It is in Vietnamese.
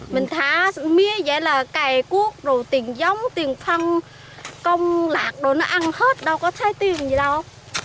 mình thả mía vậy là cày cuốc rồi tiền giống tiền phân công lạc đồ nó ăn hết đâu có thấy tiền gì đâu